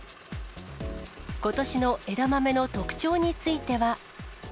ことしの枝豆の特徴については。